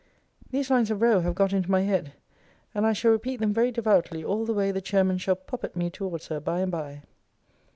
These lines of Rowe have got into my head; and I shall repeat them very devoutly all the way the chairman shall poppet me towards her by and by.